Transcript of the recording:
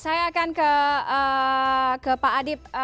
saya akan ke pak adip